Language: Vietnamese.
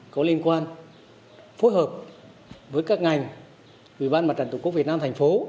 có liên quan phối hợp với các ngành ủy ban mặt trận tổ quốc việt nam thành phố